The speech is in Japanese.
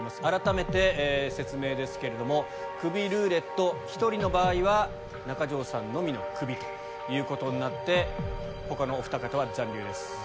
改めて説明ですけれどもクビルーレット１人の場合は中条さんのみのクビということになって他のおふた方は残留です。